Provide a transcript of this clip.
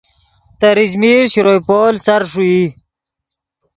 تریچمیر شروع پول سر ݰوئی